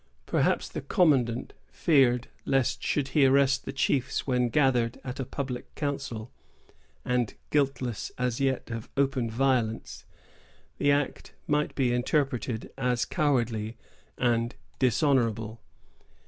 Perhaps the commandant feared lest, should he arrest the chiefs when gathered at a public council, and guiltless as yet of open violence, the act might be interpreted as cowardly and dishonorable.